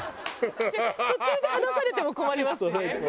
途中で離されても困りますしね。